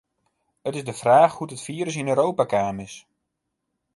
It is de fraach hoe't it firus yn Europa kaam is.